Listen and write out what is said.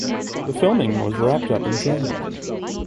The filming was wrapped in January.